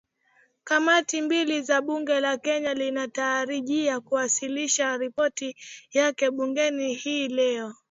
kamati mbili za bunge la kenya linatarajia kuwasilisha ripoti yake bungeni hii leo